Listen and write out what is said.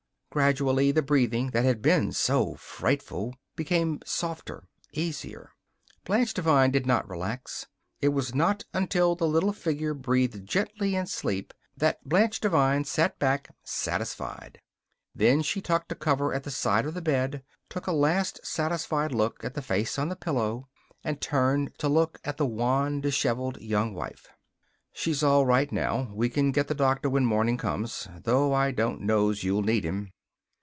Gradually the breathing that had been so frightful became softer, easier. Blanche Devine did not relax. It was not until the little figure breathed gently in sleep that Blanche Devine sat back, satisfied. Then she tucked a cover at the side of the bed, took a last satisfied look at the face on the pillow, and turned to look at the wan, disheveled Young Wife. "She's all right now. We can get the doctor when morning comes though I don't know's you'll need him."